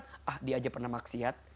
masa saya tidak maksiat